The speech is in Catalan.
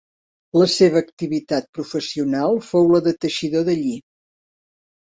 La seva activitat professional fou la de teixidor de lli.